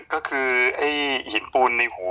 ก็คือไอ้หินปูนในหู